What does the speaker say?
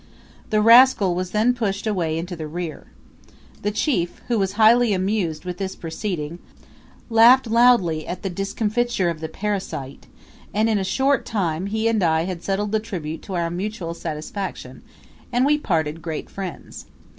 The rascal was then pushed away into the rear. The chief, who was highly amused with this proceeding, laughed loudly at the discomfiture of the parasite, and in a short time he and I had settled the tribute to our mutual satisfaction, and we parted great friends.